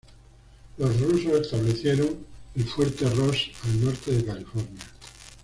Los rusos establecieron el Fuerte Ross al norte de California.